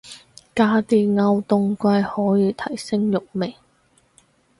加啲歐當歸可以提升肉味